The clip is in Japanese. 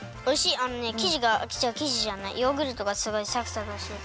あのねきじがきじじゃないヨーグルトがすごいサクサクしてて。